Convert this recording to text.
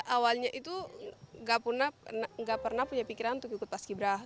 awalnya itu nggak pernah punya pikiran untuk ikut paskibrah